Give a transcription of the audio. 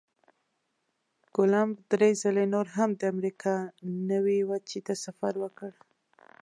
کولمب درې ځلې نور هم د امریکا نوي وچې ته سفر وکړ.